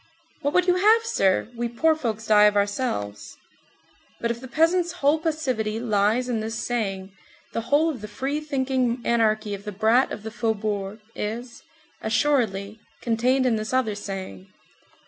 "What would you have, sir, we poor folks die of ourselves." But if the peasant's whole passivity lies in this saying, the whole of the free thinking anarchy of the brat of the faubourgs is, assuredly, contained in this other saying.